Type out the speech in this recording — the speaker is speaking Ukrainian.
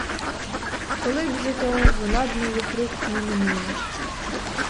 Коли б же то, вона б моїх рук не минула!